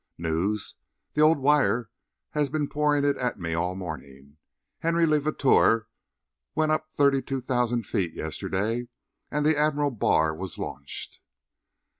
"News? The old wire has been pouring it at me all morning. Henry Levateur went up thirty two thousand feet yesterday and the Admiral Barr was launched."